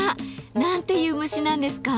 何ていう虫なんですか？